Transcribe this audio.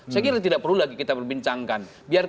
saya kira tidak perlu lagi kita berbincangkan